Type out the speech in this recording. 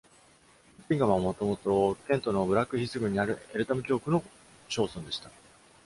モッティンガムはもともと、ケントのブラックヒース郡にあるエルタム教区の小村でした。